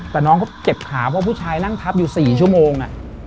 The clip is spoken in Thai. แต่น้องเขาเจ็บขาเพราะผู้ชายนั่งทับอยู่๔ชั่วโมง